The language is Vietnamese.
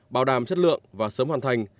bảo đảm chất lượng và sớm hoàn thành